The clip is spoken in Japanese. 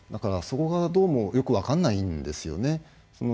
そこがどうもよく分からないんですね。